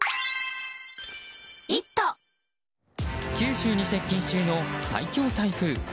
九州に接近中の最強台風。